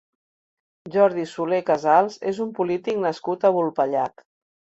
Jordi Soler Casals és un polític nascut a Vulpellac.